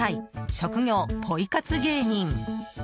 職業、ポイ活芸人。